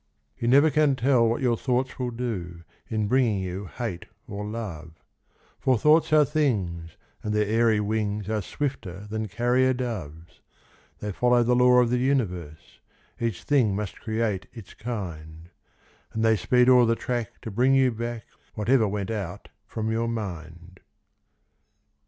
You never can tell what your thoughts will do, In bringing you hate or love; For thoughts are things, and their airy wings Are swifter than carrier doves. They follow the law of the universe— Each thing must create its kind; And they speed o'er the track to bring you back Whatever went out from your mind.